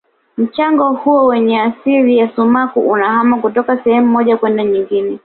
mchanga huo wenye asili ya sumaku unahama kutoka sehemu moja kwenda nyingine